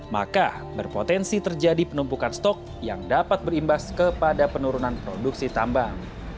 maka berpotensi terjadi penumpukan stok yang dapat berimbas kepada penurunan produksi tambang